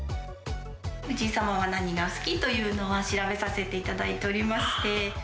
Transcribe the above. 藤井様は何がお好きというのは調べさせていただいておりまして。